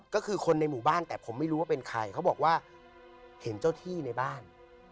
ก็คือคนในหมู่บ้านแต่ผมไม่รู้ว่าเป็นใครเขาบอกว่าเห็นเจ้าที่ในบ้าน